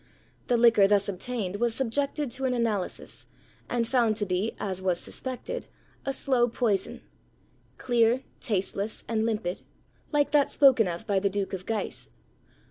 The liquor thus obtained was subjected to an analysis, and found to be, as was suspected, a slow poison; clear, tasteless, and limpid, like that spoken of by the Duke of Guise.